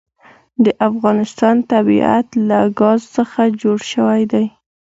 د افغانستان طبیعت له ګاز څخه جوړ شوی دی.